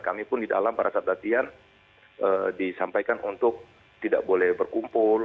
kami pun di dalam para sabdatian disampaikan untuk tidak boleh berkumpul